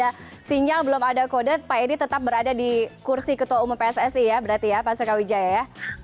ada sinyal belum ada kode pak edi tetap berada di kursi ketua umum pssi ya berarti ya pak sukawijaya ya